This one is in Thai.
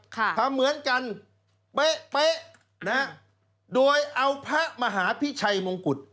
ทำเหมือนกันเป๊ะเป๊ะนะฮะโดยเอาพระมหาพิชัยมงกุฎ